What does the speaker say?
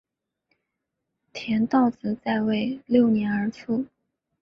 田悼子在位六年而卒。